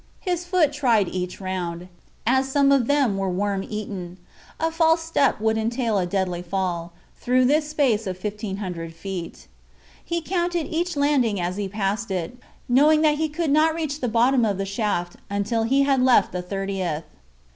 His foot tried each round, as some of them were worm eaten. A false step would entail a deadly fall, through this space of fifteen hundred feet. He counted each landing as he passed it, knowing that he could not reach the bottom of the shaft until he had left the thirtieth.